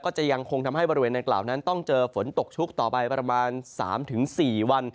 จะยังคงทำให้บริเวณดังกล่าวนั้นต้องเจอฝนตกชุกต่อไปประมาณ๓๔วัน